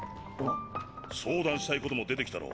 相談したいことも出てきたろ。